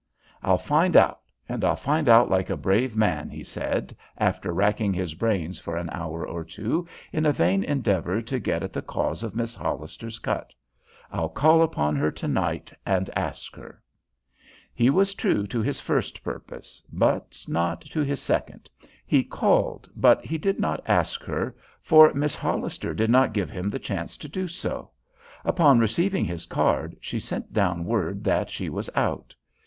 "I'll find out, and I'll find out like a brave man," he said, after racking his brains for an hour or two in a vain endeavor to get at the cause of Miss Hollister's cut. "I'll call upon her to night and ask her." He was true to his first purpose, but not to his second. He called, but he did not ask her, for Miss Hollister did not give him the chance to do so. Upon receiving his card she sent down word that she was out.